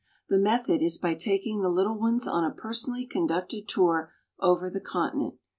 The method is by taking the little ones on a personally conducted tour over the continent.